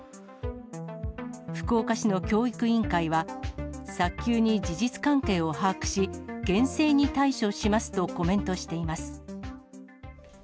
福岡市の教育委員会は、早急に事実関係を把握し、厳正に対処しますとコメントしています。